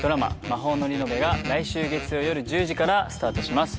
『魔法のリノベ』が来週月曜夜１０時からスタートします。